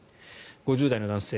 ５０代の男性。